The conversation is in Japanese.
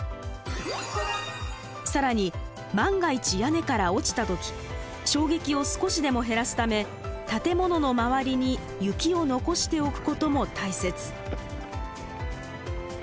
更に万が一屋根から落ちた時衝撃を少しでも減らすため建物のまわりに雪を残しておくことも大切。